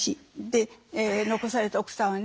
残された奥さんはね